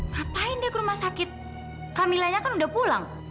ngapain dia ke rumah sakit kamilanya kan udah pulang